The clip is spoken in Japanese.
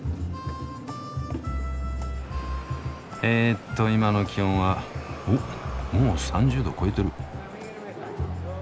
えっと今の気温はおっもう３０度超えてる！